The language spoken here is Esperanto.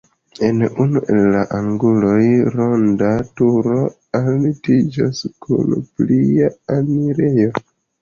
En unu el la anguloj ronda turo altiĝas kun plia enirejo.